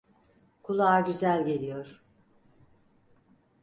Kulağa güzel geliyor.